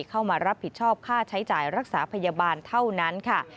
เข้ามารับผิดชอบค่าใช้จ่ายรักษาพยาบาลเท่านั้นค่ะ